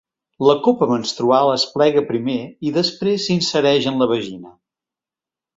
La copa menstrual es plega primer, i després s'insereix en la vagina.